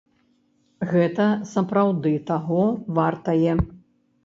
Гэта сапраўды таго вартае.